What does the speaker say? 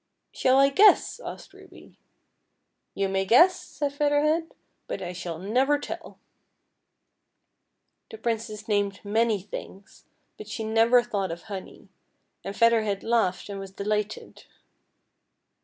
" Shall I guess ?" asked Ruby. "You may guess," said Feather Head, "but I shall never tell." The Princess named many things, but she never thought of honey, and Feather Head laughed and was delighted.